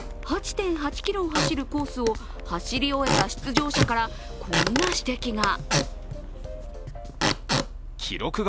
８．８ｋｍを走るコースを走り終えた出場者から、こんな指摘が。